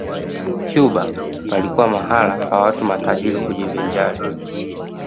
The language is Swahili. Cuba palikuwa mahala pa watu matajiri kujivinjari